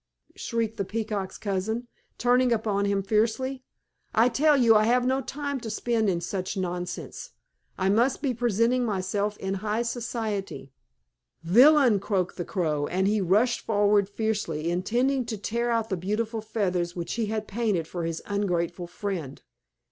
shrieked the Peacock's cousin, turning upon him fiercely. "I tell you I have no time to spend in such nonsense. I must be presenting myself in high society." "Villain!" croaked the Crow, and he rushed forward fiercely, intending to tear out the beautiful feathers which he had painted for his ungrateful friend.